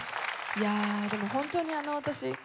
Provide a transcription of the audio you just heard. いやでも本当に私